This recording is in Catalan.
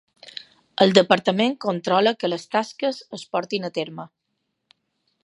El departament controla que les tasques es porten a terme.